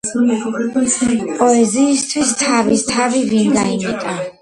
პოეზიისთვის თავის თავი ვინ გაიმეტა.